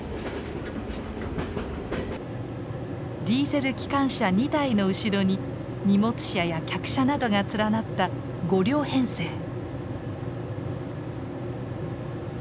ディーゼル機関車２台の後ろに荷物車や客車などが連なった５両編成。